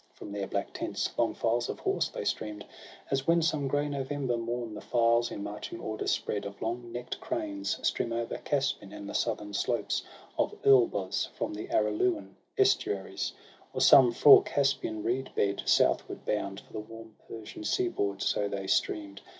From their black tents, long files of horse, they stream' d ; 88 SOHRAB AND RUSTUM. As when, some grey November morn, the files, In marching order spread, of long neck'd cranes Stream over Casbin, and the southern slopes Of Elburz, from the Aralian estuaries, Or some frore Caspian reed bed, southward bound For the warm Persian sea board — so they stream'd.